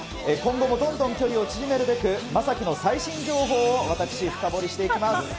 今後もどんどん距離を縮めるべく、将暉の最新情報を私、深掘りしていきます。